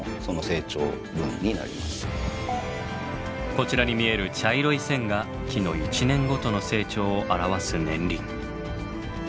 こちらに見える茶色い線が木の１年ごとの成長を表す年輪。